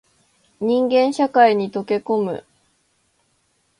人間社会に溶け込む